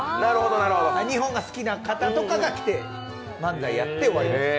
日本が好きな方とかが来て、漫才やって終わり。